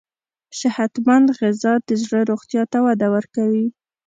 صحتمند غذا د زړه روغتیا ته وده ورکوي.